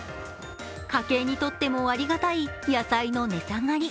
家計にとってもありがたい野菜の値下がり。